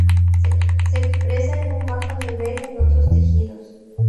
Se expresa en un bajo nivel en otros tejidos.